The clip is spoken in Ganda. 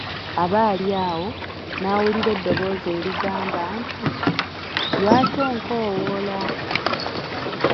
Aba ali awo, n'awulira eddoboozi erigamba nti, lwaki onkowoola?